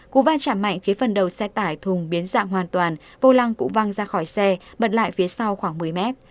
cú va chạm mạnh khi phần đầu xe tải thùng biến dạng hoàn toàn vô lăng cụ văng ra khỏi xe bật lại phía sau khoảng một mươi m